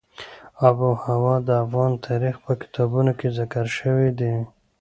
آب وهوا د افغان تاریخ په کتابونو کې ذکر شوی دي.